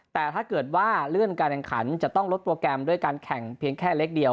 แต่ถ้าเกิดว่าเลื่อนการแข่งขันจะต้องลดโปรแกรมด้วยการแข่งเพียงแค่เล็กเดียว